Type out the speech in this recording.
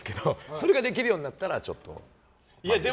それができるようになったらちょっとまずいかなと。